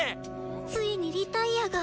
ついにリタイアが。